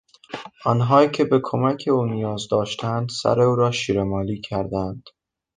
آنهایی که به کمک او نیاز داشتند سر او را شیرهمالی کردند.